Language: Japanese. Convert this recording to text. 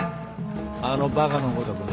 あのバカのごとくな。